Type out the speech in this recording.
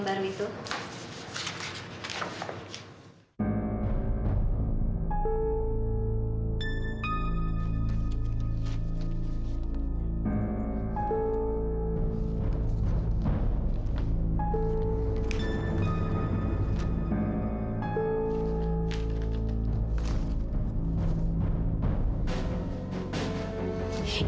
sebenarnya itu ustaz pemandul dengan pahlawan masyarakat